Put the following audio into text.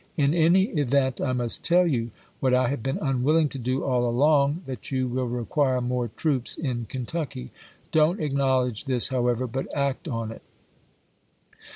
.. In any event I must tell you, what I have been unwilling Mocuiiau, to do all along, that you will require more troops i36i*"*^w. R. in Kentucky. Don't acknowledge this, however, pp. 520, 521. but act on it."